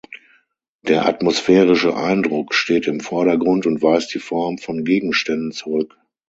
Der atmosphärische Eindruck steht im Vordergrund und weist die Form von Gegenständen zurück.